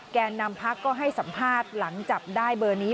แก่นำพักก็ให้สัมภาษณ์หลังจับได้เบอร์นี้